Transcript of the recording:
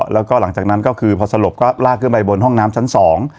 แล้วก็หลังจากนั้นก็คือพอสลบก็ลากขึ้นไปบนห้องน้ำชั้นสอง